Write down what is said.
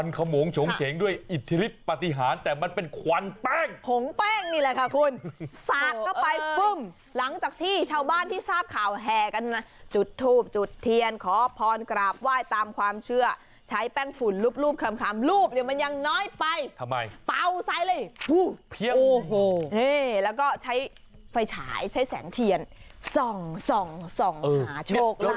นี่ห้าเนี่ยเนี่ยเนี่ยเนี่ยเนี่ยเนี่ยเนี่ยเนี่ย